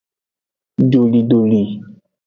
Dolidoli.